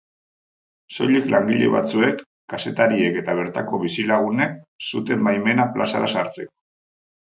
Soilik langile batzuek, kazetariek eta bertako bizilagunek zuten baimena plazara sartzeko.